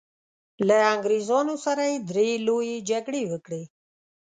له انګریزانو سره یې درې لويې جګړې وکړې.